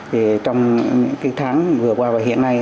thì trong cái tháng vừa qua và hiện nay